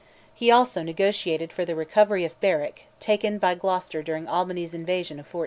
he also negotiated for the recovery of Berwick, taken by Gloucester during Albany's invasion of 1482.